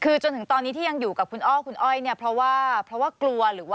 คือจนถึงตอนนี้ที่ยังอยู่กับคุณอ้อคุณอ้อยเนี่ยเพราะว่ากลัว